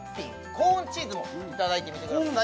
コーンチーズもいただいてみてください